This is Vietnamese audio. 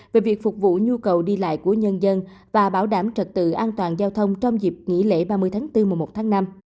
về việc phục vụ nhu cầu đi lại của nhân dân và bảo đảm trật tự an toàn giao thông trong dịp nghỉ lễ ba mươi tháng bốn mùa một tháng năm